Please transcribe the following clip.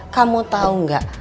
kamu tau ga